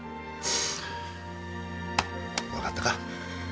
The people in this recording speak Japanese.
分かったか。